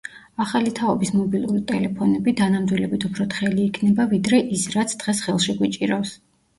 ახალი თაობის მობილური ტელეფონები დანამდვილებით უფრო თხელი იქნება, ვიდრე ის, რაც დღეს ხელში გვიჭირავს.